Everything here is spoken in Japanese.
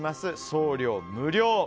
送料無料。